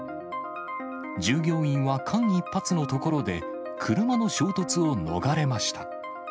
従業員は間一髪のところで、車の衝突を逃れました。